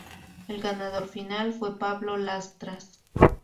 El ganador final fue Pablo Lastras.